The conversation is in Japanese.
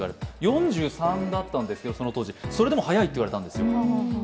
４３だったんですけど、それでも早いと言われたんです。